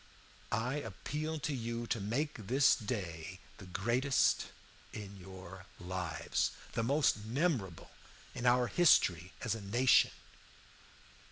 "I appeal to you to make this day the greatest in your lives, the most memorable in our history as a nation.